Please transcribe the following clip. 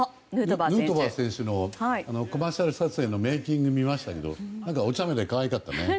ヌートバー選手のコマーシャル撮影のメイキング見ましたけどおちゃめで可愛かったね。